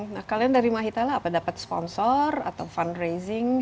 nah kalian dari mahitala apa dapat sponsor atau fundraising